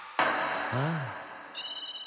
ああ。